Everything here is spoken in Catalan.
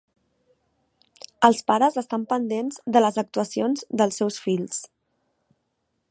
Els pares estan pendents de les actuacions dels seus fills.